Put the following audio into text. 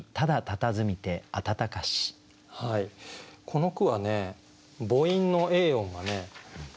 この句はね母音の「ａ音」がね